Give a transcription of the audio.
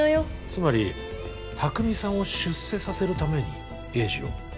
つまり拓未さんを出世させるために栄治を？